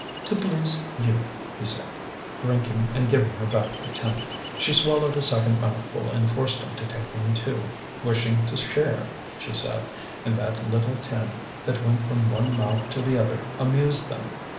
"To please you," he said, drinking and giving her back the tin. She swallowed a second mouthful and forced him to take one too, wishing to share, she said; and that little tin that went from one mouth to the other amused them.